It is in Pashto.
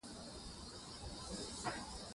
هم په داخلي سطحه او هم په خارجي سطحه څېړنه کړې دي.